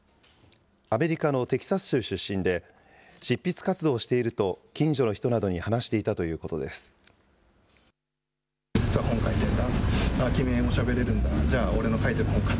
アメリカのテキサス州出身で、執筆活動をしていると、近所の人などに話していたということです。